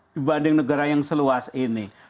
dibanding negara yang seluas ini